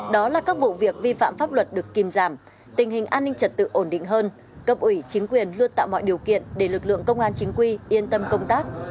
đó là các vụ việc vi phạm pháp luật được kìm giảm tình hình an ninh trật tự ổn định hơn cấp ủy chính quyền luôn tạo mọi điều kiện để lực lượng công an chính quy yên tâm công tác